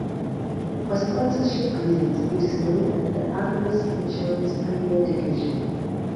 For sponsorship reasons it is known as the Argus Insurance Premier Division.